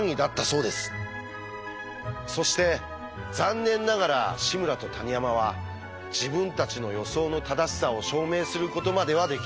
そして残念ながら志村と谷山は自分たちの予想の正しさを証明することまではできませんでした。